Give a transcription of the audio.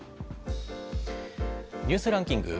ニュースランキング。